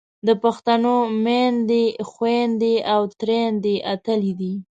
د پښتنو میندې، خویندې او ترېیندې اتلې دي.